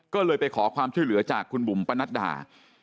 ก็เลยไปขอความช่วยเหลือจากคุณบุ๋มปะนัดดา